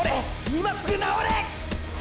今すぐ治れ！！